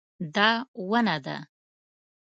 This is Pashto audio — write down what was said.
دا ونه ده